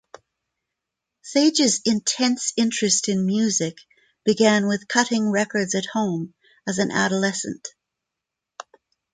Sage's intense interest in music began with cutting records at home as an adolescent.